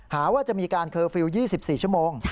หาว่าจะมีการเคอร์ฟิลล์๒๔ชั่วโมง